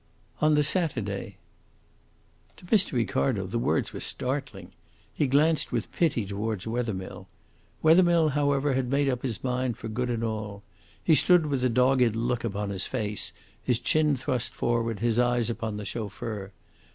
"On the Saturday." To Mr. Ricardo the words were startling. He glanced with pity towards Wethermill. Wethermill, however, had made up his mind for good and all. He stood with a dogged look upon his face, his chin thrust forward, his eyes upon the chauffeur.